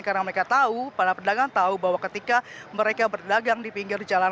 karena mereka tahu para pedagang tahu bahwa ketika mereka berdagang di pinggir jalan